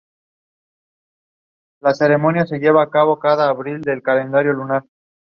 La solución de trabajo es estable por tres horas.